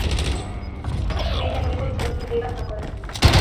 ছবির কাহিনী পরিচালক নিজেই রচনা করেন।